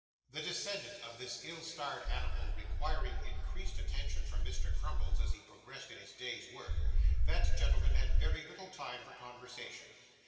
The descendant of this ill starred animal requiring increased attention from Mr. Crummles as he progressed in his day's work, that gentleman had very little time for conversation.